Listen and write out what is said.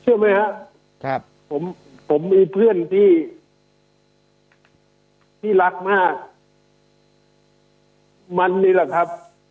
เชื่อมั้ยครับครับผมผมมีเพื่อนที่ที่รักมากมันนี่แหละครับ